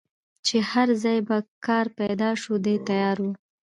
چي هر ځای به کار پیدا سو دی تیار وو